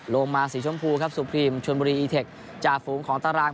ลงมาสีชมพูครับสุพรีมชนบุรีอีเทคจ่าฝูงของตาราง